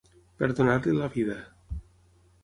Perdonar-li la vida.